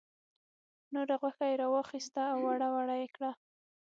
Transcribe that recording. نوره غوښه یې را واخیسته او وړه وړه یې کړه.